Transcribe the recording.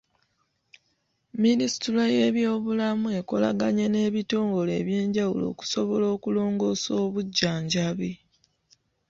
Minisitule y'ebyobulamu ekolaganye n'ebitongole eby'enjawulo okusobola okulongoosa obujjanjabi.